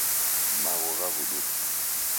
Magho ghaw'uduka.